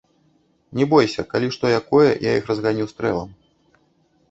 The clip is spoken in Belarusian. Не бойся, калі што якое, я іх разганю стрэлам.